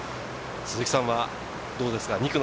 鈴木さんはどうですか？